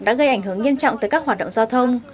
đã gây ảnh hưởng nghiêm trọng tới các hoạt động giao thông